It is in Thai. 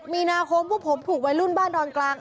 มีนาคมพวกผมถูกวัยรุ่นบ้านดอนกลาง